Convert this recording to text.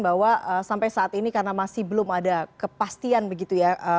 bahwa sampai saat ini karena masih belum ada kepastian begitu ya